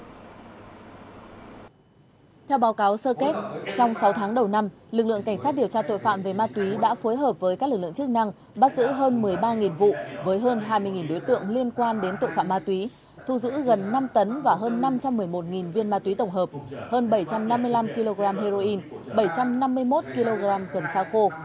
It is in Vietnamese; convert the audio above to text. theo báo cáo sơ kết trong sáu tháng đầu năm lực lượng cảnh sát điều tra tội phạm về ma túy đã phối hợp với các lực lượng chức năng bắt giữ hơn một mươi ba vụ với hơn hai mươi đối tượng liên quan đến tội phạm ma túy thu giữ gần năm tấn và hơn năm trăm một mươi một viên ma túy tổng hợp hơn bảy trăm năm mươi năm kg heroin bảy trăm năm mươi một kg cần sa khô